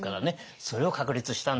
それを確立したんですよ。